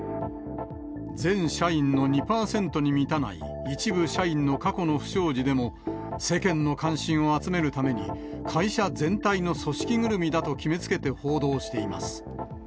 全社員の２％に満たない一部社員の過去の不祥事でも、世間の関心を集めるために会社全体の組織ぐるみだと決めつけて報道しています。